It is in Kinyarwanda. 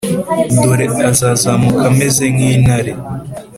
Dore azazamuka ameze nk intare